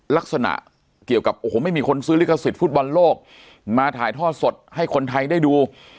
ลักษณะเกี่ยวกับโอ้โหไม่มีคนซื้อลิขสิทธิฟุตบอลโลกมาถ่ายทอดสดให้คนไทยได้ดู